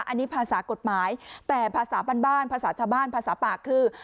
อันนี้ภาษากฎหมายแต่ภาษาบ้านภาษาชาวบ้านภาษาปากคือ